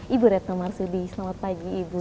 ibu retno marsudi selamat pagi ibu